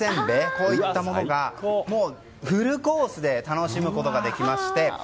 こういったものがフルコースで楽しむことができまして